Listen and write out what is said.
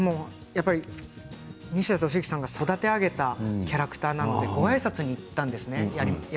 西田敏行さんが育て上げたキャラクターなのでごあいさつに行ったんですね。